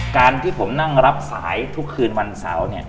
การที่ผมนั่งรับสายทุกคืนวันเสาร์เนี่ย